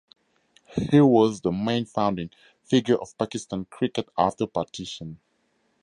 He was the main founding figure of Pakistan cricket after partition.